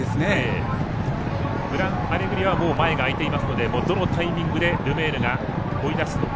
グランアレグリアは、もう前が空いていますのでどのタイミングでルメールが追い出すのか。